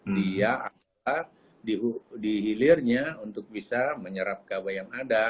dia dihilirnya untuk bisa menyerap gabah yang ada